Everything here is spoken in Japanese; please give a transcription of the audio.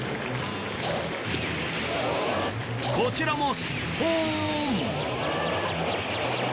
こちらもスッポン！